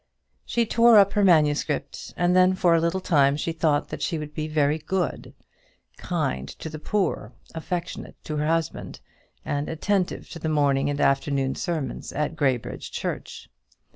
She tore up her manuscript; and then for a little time she thought that she would be very good; kind to the poor, affectionate to her husband, and attentive to the morning and afternoon sermons at Graybridge church.